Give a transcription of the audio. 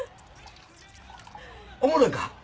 おもろいか？